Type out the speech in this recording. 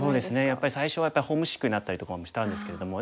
やっぱり最初はホームシックになったりとかもしたんですけれども。